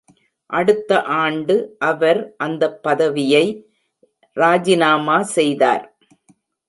அடுத்த ஆண்டு அவர் அந்த பதவியை ராஜினாமா செய்தார்.